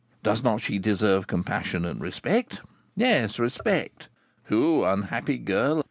Does not she deserve compassion and respect, yes, respect, who, unhappy girl!